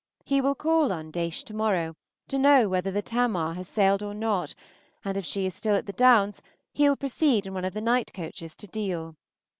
He will call on Daysh to morrow to know whether the "Tamar" has sailed or not, and if she is still at the Downs he will proceed in one of the night coaches to Deal.